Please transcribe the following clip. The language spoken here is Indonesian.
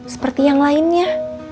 seperti yang lainnya